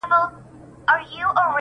د ټانګې آس بل خواته نه ګوري -